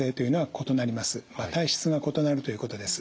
体質が異なるということです。